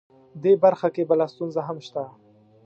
دې برخه کې بله ستونزه هم شته